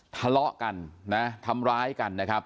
ทะเลาะกันนะทำร้ายกันนะครับ